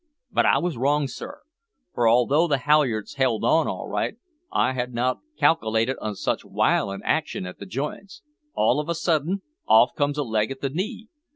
"But I was wrong, sir, for, although the halyards held on all right, I had not calkilated on such wiolent action at the joints. All of a sudden off comes a leg at the knee.